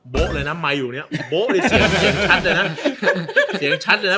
โบ๊ะเลยน้ำมายอยู่เนี้ยโบ๊ะเลยเสียงเสียงชัดเลยน่ะเสียงชัดเลยน่ะ